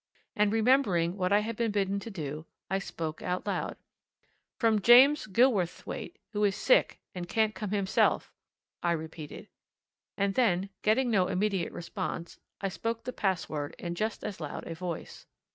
And remembering what I had been bidden to do, I spoke out loud. "From James Gilverthwaite, who is sick, and can't come himself," I repeated. And then, getting no immediate response, I spoke the password in just as loud a voice.